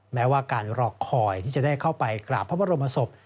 แม้ว่าการรอคอยที่จะได้เข้าไปกราบพระบรมศพ